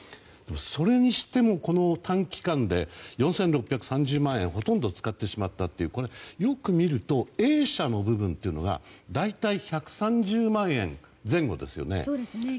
それにしても、この短期間で４６３０万円ほとんど使ってしまったってこれ、よく見るとＡ社の部分というのが大体１３０万円前後ですよね。